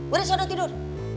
udah sudah tidur